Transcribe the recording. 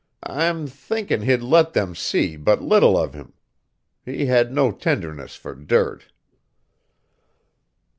I'm thinking he'd let them see but little of him. He had no tenderness for dirt."